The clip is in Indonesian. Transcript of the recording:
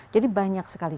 jadi banyak sekali